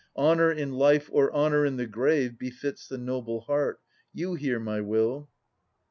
Honour in life or honour in the grave Befits the noble heart. You hear my will.